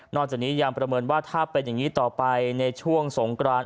จากนี้ยังประเมินว่าถ้าเป็นอย่างนี้ต่อไปในช่วงสงกราน